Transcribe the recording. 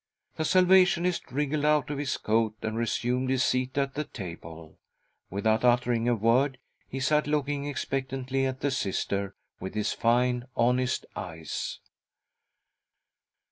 The Salvationist wriggled out of his coat and resumed his seat at the table. Without uttering a word, he sat looking expectantly at the Sister with his fine, honest eyes.